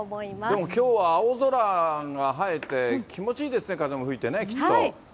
でもきょうは青空に映えて、気持ちいいですね、風も吹いてね、きっと。